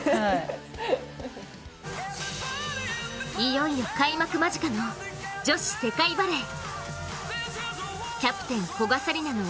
いよいよ開幕間近の女子世界バレー。